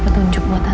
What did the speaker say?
baca cukup baik